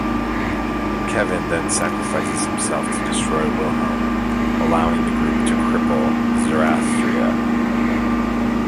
Kevin then sacrifices himself to destroy Wilhelm, allowing the group to cripple Zarathustra.